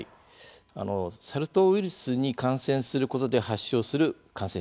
サル痘ウイルスに感染することで発症する感染症です。